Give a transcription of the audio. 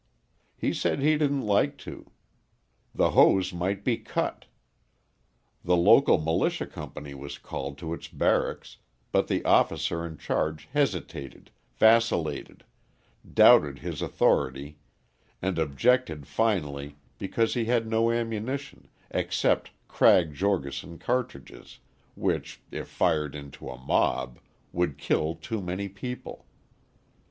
He said he didn't like to; the hose might be cut. The local militia company was called to its barracks, but the officer in charge hesitated, vacillated, doubted his authority, and objected finally because he had no ammunition except Krag Jorgenson cartridges, which, if fired into a mob, would kill too many people!